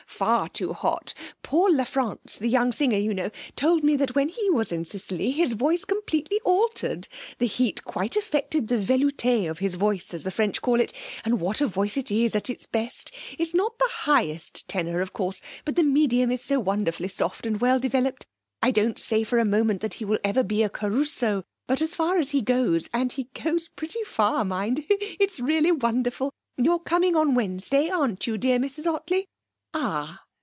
Far too hot. Paul La France the young singer, you know told me that when he was in Sicily his voice completely altered; the heat quite affected the velouté of his voice, as the French call it and what a voice it is at its best! It's not the highest tenor, of course, but the medium is so wonderfully soft and well developed. I don't say for a moment that he will ever be a Caruso, but as far as he goes and he goes pretty far, mind it's really wonderful. You're coming on Wednesday, aren't you, dear Mrs Ottley? Ah!'...